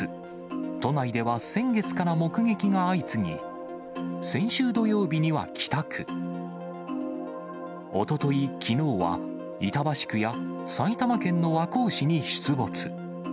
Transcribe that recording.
都内では先月から目撃が相次ぎ、先週土曜日には北区、おととい、きのうは、板橋区や埼玉県の和光市に出没。